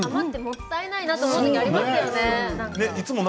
余ってもったいないと思う時ありますよね。